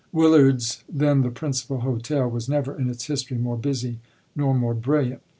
Willard's, then the principal hotel, was never in its history more busy nor more brilliant.